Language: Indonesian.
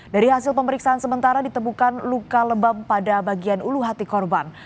dari hasil pemeriksaan sementara ditemukan luka lebam pada bagian ulu hati korban